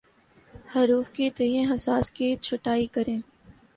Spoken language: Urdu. حروف کے تئیں حساس کی چھٹائی کریں